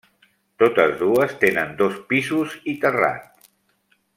Totes dues tenen dos pisos i terrat.